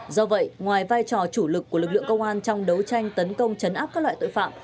do vậy ngoài vai trò chủ lực của lực lượng công an trong đấu tranh tấn công chấn áp các loại tội phạm